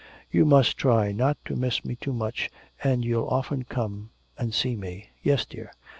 You must try not to miss me too much and you'll often come and see me.' 'Yes, dear.'